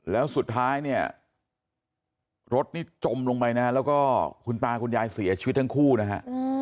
แล้วสุดท้ายเนี่ยรถนี่จมลงไปนะแล้วก็คุณตาคุณยายเสียชีวิตทั้งคู่นะฮะ